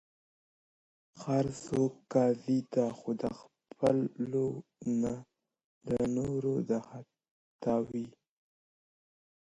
هر څوک قاضي دی، خو د خپلو نه، د نورو د خطاوو.